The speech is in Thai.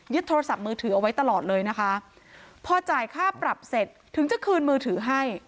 โทรศัพท์มือถือเอาไว้ตลอดเลยนะคะพอจ่ายค่าปรับเสร็จถึงจะคืนมือถือให้